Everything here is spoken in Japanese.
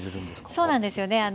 そうなんですよね